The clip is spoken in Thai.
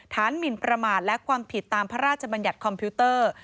หมินประมาทและความผิดตามพระราชบัญญัติคอมพิวเตอร์